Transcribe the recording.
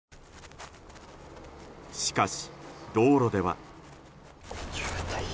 しかし道路では。